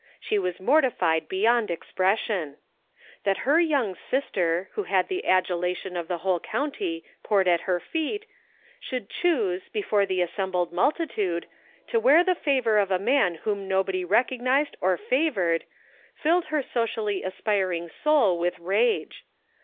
She was mortified beyond expression. That 216 THE FINDING OF JASPER HOLT her young sister, who had the adulation of the whole, county poured at her feet, should choose, before the assembled multitude, to wear the favor of a man whom nobody recognized or favored filled her socially aspir ing soul with rage.